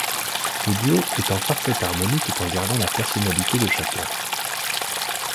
Le duo est en parfaite harmonie tout en gardant la personnalité de chacun.